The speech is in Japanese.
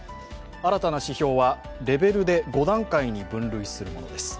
新たな指標は、レベルで５段階に分類するものです。